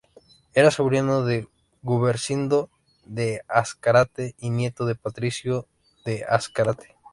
Era sobrino de Gumersindo de Azcárate, y nieto de Patricio de Azcárate.